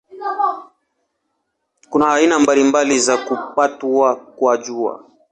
Kuna aina mbalimbali za kupatwa kwa Jua.